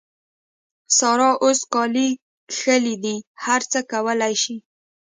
سارا اوس کالي کښلي دي؛ هر څه کولای سي.